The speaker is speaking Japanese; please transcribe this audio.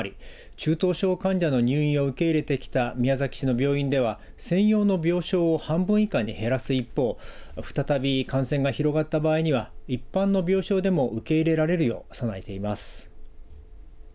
中等症患者の入院を受け入れてきた宮崎市の病院では専用の病床を半分以下に減らす一方再び感染が広がった場合には一般の病床でも受け入れられるよう備えています。